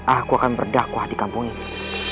aku akan berdakwah di kampung ini